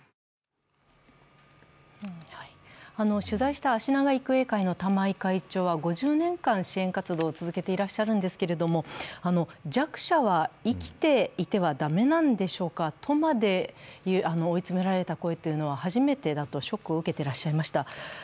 取材した、あしなが育英会の玉井会長は、５０年間支援活動を続けていらっしゃるんですけれども、弱者は生きていては駄目なんでしょうかとまで追い詰められた声は初めてだとショックを受けていらっしゃいました。